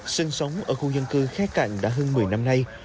sân sống ở khu dân cư khai cạnh đã hơn một mươi năm nay